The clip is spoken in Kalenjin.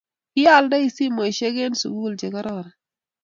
kiyalndai simoishek en sukul che kararon